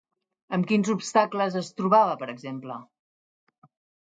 Amb quins obstacles es trobava, per exemple?